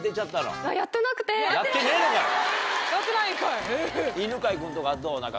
やってないんかい！